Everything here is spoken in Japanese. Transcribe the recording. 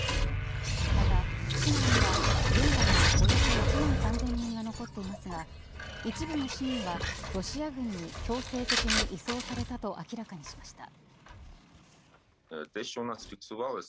また市内には、現在もおよそ１万３０００人が残っていますが一部の市民はロシア軍に強制的に移送されたと明らかにしました。